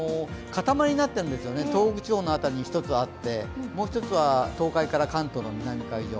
塊になっているんですよ、東北地方に１つあって、もう一つは東海から関東の南海上。